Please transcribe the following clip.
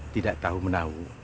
tidak tahu menahu